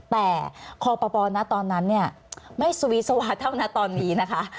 แต่คปณตอนนั้นไม่สวิสวาเท่านั้นตอนนี้นะคะ